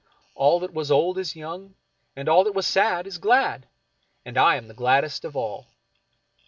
All that was old is young, and all that was sad is glad, and I am the gladdest of all.